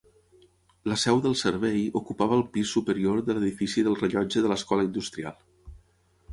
La seu del Servei ocupava el pis superior de l'edifici del rellotge de l'Escola Industrial.